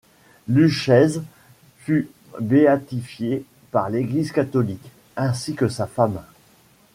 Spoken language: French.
Luchèse fut béatifié par l'Église catholique, ainsi que sa femme.